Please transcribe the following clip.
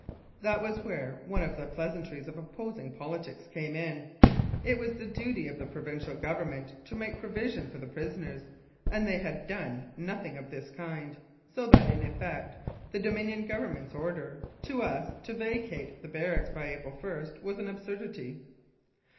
That was where one of the pleasantries of opposing politics came in. It was the duty of the Provincial Government to make provision for the prisoners, and they had done nothing of the kind, so that, in effect, the Dominion Government's order to us to vacate the barracks by April i was an absurdity.